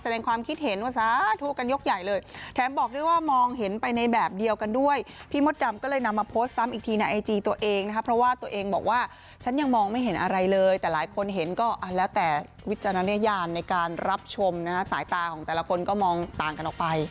แต่หลายคนเห็นก็แล้วแต่วิจารณญาณในการรับชมนะฮะสายตาของแต่ละคนก็มองต่างกันออกไป